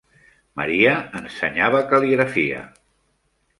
Maria ensenyava cal·ligrafia.